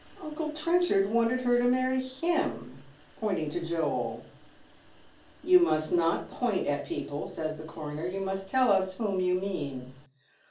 *' Uncle Trenchard wanted her to marry him," pointing to Joel. "You must not point at people," says the coroner. "You must tell us whom you mean."